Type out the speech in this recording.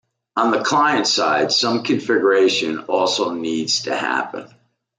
On the client side some configuration also needs to happen.